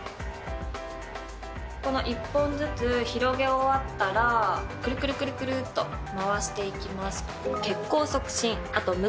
この１本ずつ広げ終わったらくるくるくるくるっと回していきます。